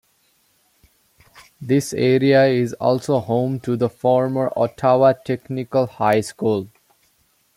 This area is also home to the former Ottawa Technical High School.